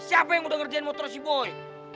siapa yang udah ngerjain motor si boy